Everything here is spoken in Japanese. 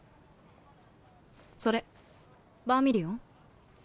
それバーミリオン？